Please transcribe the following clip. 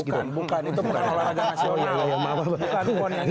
bukan bukan itu bukan olahraga nasional